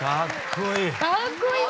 かっこいい！